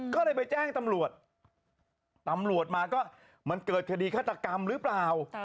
ก็เลยไปแจ้งตำรวจตำรวจมาก็มันเกิดคดีฆาตกรรมหรือเปล่า